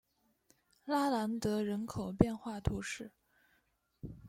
拉兰德人口变化图示